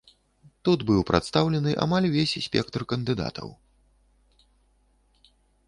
Тут быў прадстаўлены амаль увесь спектр кандыдатаў.